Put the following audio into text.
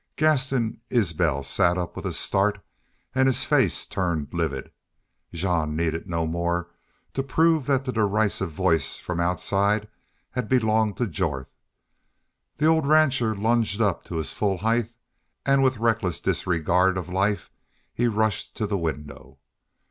Gaston Isbel sat up with a start and his face turned livid. Jean needed no more to prove that the derisive voice from outside had belonged to Jorth. The old rancher lunged up to his full height and with reckless disregard of life he rushed to the window.